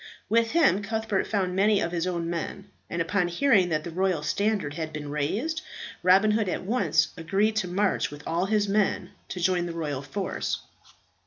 With him Cuthbert found many of his own men; and upon hearing that the royal standard had been raised, Robin Hood at once agreed to march with all his men to join the royal force.